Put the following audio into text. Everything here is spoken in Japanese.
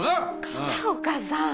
片岡さん！